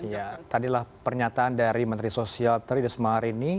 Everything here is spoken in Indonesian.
ya tadilah pernyataan dari menteri sosial tridus mahari ini